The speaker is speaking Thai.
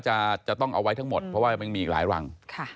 จะต้องเอาไว้ทั้งหมดเพราะว่ามันมีอีกหลายรัง